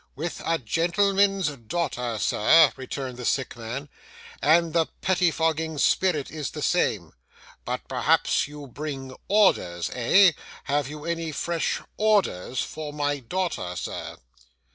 'With a gentleman's daughter, sir,' returned the sick man, 'and the pettifogging spirit is the same. But perhaps you bring ORDERS, eh? Have you any fresh ORDERS for my daughter, sir?